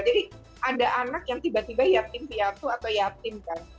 jadi ada anak yang tiba tiba yatim piatu atau yatim kan